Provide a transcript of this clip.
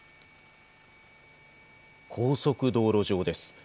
高速道路上です。